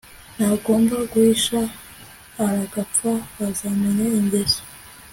ntagomba guhisha aragapfa azamenya ingeso